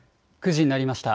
９時になりました。